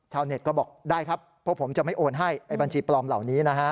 เน็ตก็บอกได้ครับพวกผมจะไม่โอนให้ไอ้บัญชีปลอมเหล่านี้นะฮะ